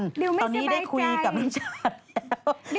ดิวไม่สบายใจตอนนี้ได้คุยกับน้ำชาแล้ว